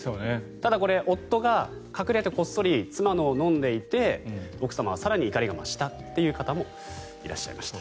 ただ、これは夫が隠れてこっそり妻のを飲んでいて奥様は更に怒りが増したという方もいらっしゃいました。